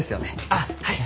あっはい。